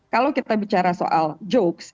kalau kita bicara soal jokes